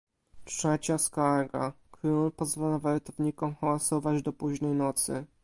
"Trzecia skarga: „Król pozwala wartownikom hałasować do późnej nocy."